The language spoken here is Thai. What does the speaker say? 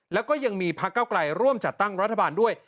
แล้วก็ยังมีพักเก้าไกลร่วมจัดตั้งรัฐบาลด้วย